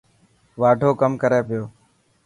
واڍو ڪم ڪري پيو.